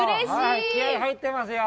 気合い入ってますよ。